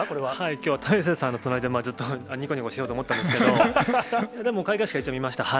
きょうは為末さんの隣でずっと、にこにこしてようと思ってたんですけど、でも、開会式は一応、見ました。